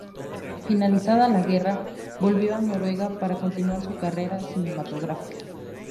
Finalizada la guerra, volvió a Noruega para continuar su carrera cinematográfica.